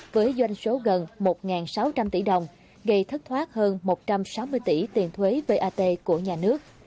với doanh số gần một sáu trăm linh tỷ đồng gây thất thoát hơn một trăm sáu mươi tỷ tiền thuế vat của nhà nước